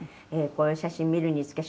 「こういう写真見るにつけ